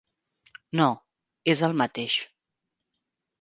No, és el mateix.